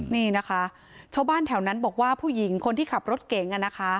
นี่นะคะชาวบ้านแถวนั้นบอกว่าผู้หญิงคนที่ขับรถเก๋ง